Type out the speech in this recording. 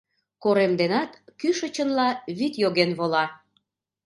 Корем денат, кӱшычынла, вӱд йоген вола.